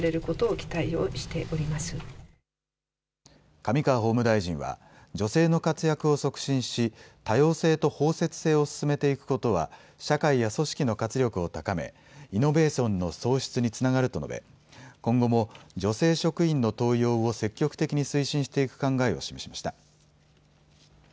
上川法務大臣は女性の活躍を促進し、多様性と包摂性を進めていくことは社会や組織の活力を高めイノベーションの創出につながると述べ今後も女性職員の登用を積極的に推進していく考えを示しました。